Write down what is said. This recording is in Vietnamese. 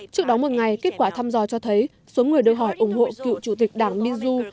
trước đó một ngày kết quả thăm dò cho thấy số người đòi hỏi ủng hộ cựu chủ tịch đảng minzo